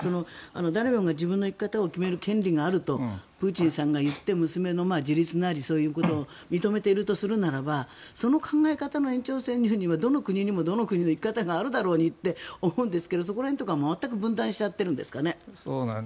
誰もが自分の生き方を決める権利があるとプーチンさんが言って娘の自立なりを認めているとするならばその考え方の延長線にはどの国にもどの国の生き方があるだろうにと思うんだけどそこら辺とか全く分断しちゃってるんですかね。